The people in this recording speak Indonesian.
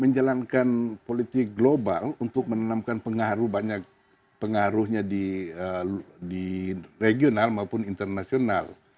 menjalankan politik global untuk menanamkan pengaruh banyak pengaruhnya di regional maupun internasional